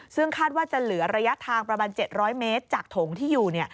ซึ่งคาดว่าจะเหลือระยะทางประมาณ๗๐๐เมตรจากถงที่อยู่